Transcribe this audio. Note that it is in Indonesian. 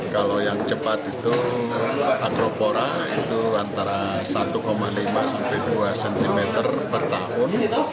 kalau yang cepat itu acropora itu antara satu lima sampai dua cm per tahun